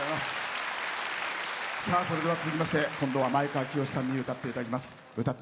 それでは続きまして今度は、前川清さんに歌っていただきます。